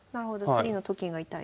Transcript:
次のと金が痛いと。